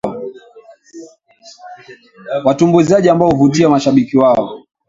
watumbuizaji ambao huvutia mashabiki wao